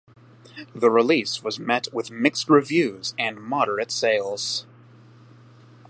The release was met with mixed reviews and moderate sales.